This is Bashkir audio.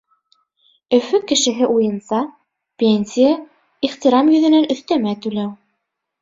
Өфө кешеһе уйынса, пенсия — ихтирам йөҙөнән өҫтәмә түләү.